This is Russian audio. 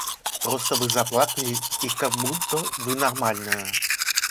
Просто Вы заплакали и как будто Вы нормальная.